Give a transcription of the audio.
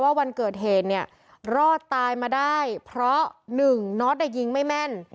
วันเกิดเหตุเนี่ยรอดตายมาได้เพราะหนึ่งน็อตยิงไม่แม่น